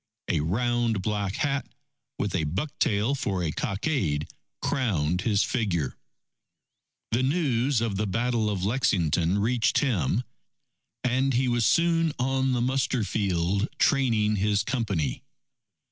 A round black hat, with a buck tail for a cockade, crowned his figure. The news of the Battle of Lexington reached him, and he was soon on the muster field training his Company.